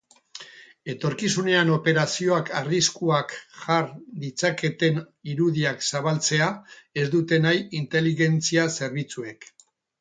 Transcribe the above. Etorkizunean operazioak arriskuak jar ditzaketen irudiak zabaltzea ez dute nahi inteligentzia zerbitzuek.